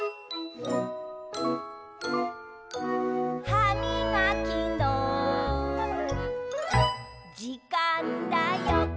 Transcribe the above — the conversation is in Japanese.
「はみがきのじかんだよ！」